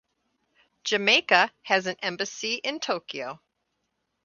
Jamaica has an embassy in Tokyo.